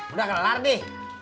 udah kelar nih